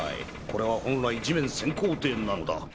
これは本来地面潜航艇なのだ。